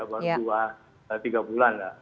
baru dua tiga bulan lah